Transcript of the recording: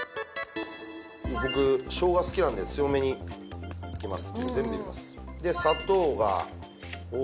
僕生姜好きなんで強めにいきます